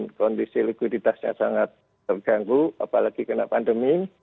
dan kondisi leguminasinya sangat terganggu apalagi kena pandemi